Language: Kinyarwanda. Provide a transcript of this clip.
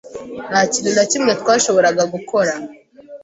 Nta kintu na kimwe twashoboraga gukora.